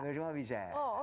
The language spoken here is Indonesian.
hampir semua bisa